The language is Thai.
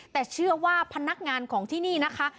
แต่เชื่อว่าพนักงานของที่นี่นะคะ